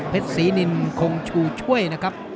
ศรีนินคงชูช่วยนะครับ